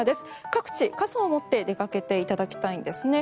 各地、傘を持って出かけていただきたいんですね。